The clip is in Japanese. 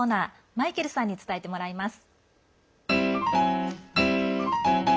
マイケルさんに伝えてもらいます。